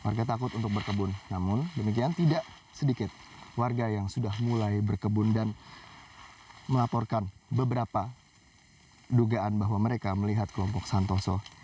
warga takut untuk berkebun namun demikian tidak sedikit warga yang sudah mulai berkebun dan melaporkan beberapa dugaan bahwa mereka melihat kelompok santoso